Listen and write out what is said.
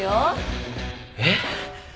えっ？